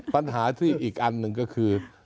ปัญหาที่อีกอันหนึ่งก็คือ